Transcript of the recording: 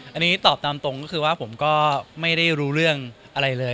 อันนี้ตอบตามตรงก็คือว่าผมก็ไม่ได้รู้เรื่องอะไรเลย